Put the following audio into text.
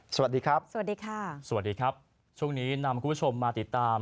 สวัสดีครับสวัสดีค่ะสวัสดีครับช่วงนี้นำคุณผู้ชมมาติดตาม